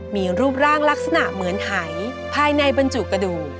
มีรูปร่างลักษณะเหมือนหายภายในบรรจุกระดูก